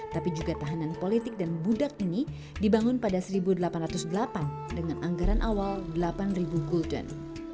tapi juga tahanan politik dan budak ini dibangun pada seribu delapan ratus delapan dengan anggaran awal delapan ribu gulden